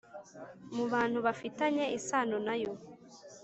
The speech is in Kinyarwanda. mu bantu bafitanye isano na yo